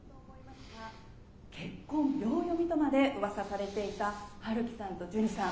「結婚秒読みとまで噂されていた陽樹さんとジュニさん